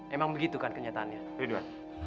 emang begitu kan kenyataannya